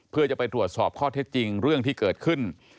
เพื่อจะไปตรวจสอบข้อเท็จจริงเรื่องที่เกิดขึ้น